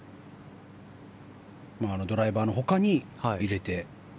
ドライバーのほかに入れて。